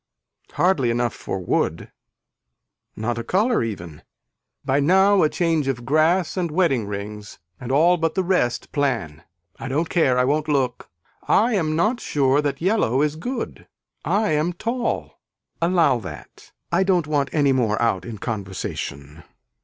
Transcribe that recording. Hardly enough for wood. Not a color even. By now a change of grass and wedding rings and all but the rest plan. I don't care I won't look. I am not sure that yellow is good. I am tall. Allow that. I don't want any more out in conversation.